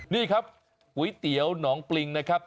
นี่ครับก๋วยเตี๋ยวหนองปริงนะครับ